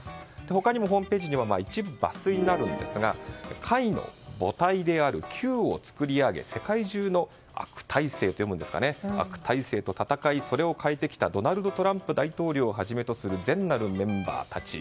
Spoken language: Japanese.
他にもホームページには一部抜粋ですが会の母体であるＱを作り上げ世界中で悪体制と戦いそれを変えてきたドナルド・トランプ大統領をはじめとする善なるメンバーたち。